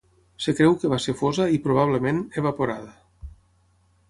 Es creu que va ser fosa i probablement, evaporada.